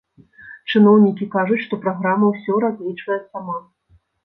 Чыноўнікі кажуць, што праграма ўсё разлічвае сама.